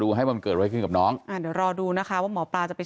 ให้มันเกิดอะไรขึ้นกับน้องอ่าเดี๋ยวรอดูนะคะว่าหมอปลาจะไป